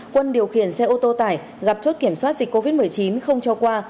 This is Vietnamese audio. quân điều khiển xe ô tô tải gặp chốt kiểm soát dịch covid một mươi chín không cho qua